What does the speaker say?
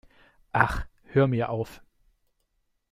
Ach, hör mir auf!